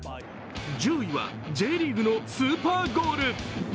１０位は、Ｊリーグのスーパーゴール。